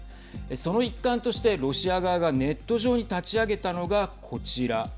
その一環としてロシア側がネット上に立ち上げたのがこちら。